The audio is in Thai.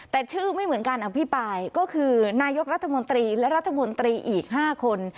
แต่ชื่อไม่เหมือนการอภิปรายก็คือนายกรัฐมนตรีและรัฐมนตรีอีก๕คน